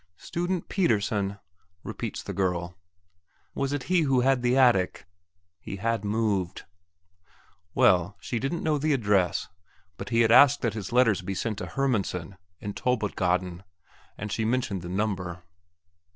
"Student Pettersen," repeats the girl. "Was it he who had the attic?" He had moved. Well, she didn't know the address; but he had asked his letters to be sent to Hermansen in Tolbod gaden, and she mentioned the number.